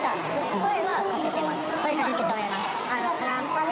声はかけてます。